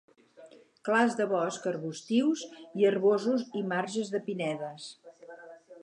Clars de bosc arbustius i herbosos i marges de pinedes.